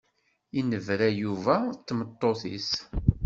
Yennebra Yuba d tmeṭṭut-is.